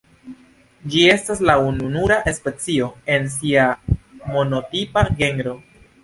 Ĝi estas la ununura specio en sia monotipa genro.